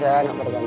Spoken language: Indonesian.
saya anak pertama